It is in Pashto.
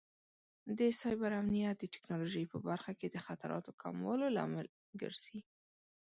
د سایبر امنیت د ټکنالوژۍ په برخه کې د خطراتو کمولو لامل ګرځي.